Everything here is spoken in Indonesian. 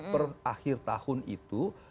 per akhir tahun itu